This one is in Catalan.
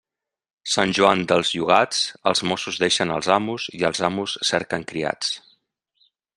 Sant Joan dels llogats, els mossos deixen els amos i els amos cerquen criats.